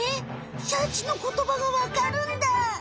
シャチのことばがわかるんだ。